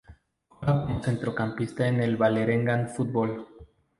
Juega como centrocampista en el Vålerenga Fotball.